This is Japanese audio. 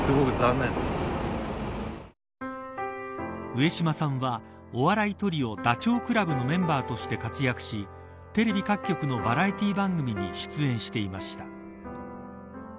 上島さんはお笑いトリオ、ダチョウ倶楽部のメンバーとして活躍しテレビ各局のバラエティー番組に出演していました。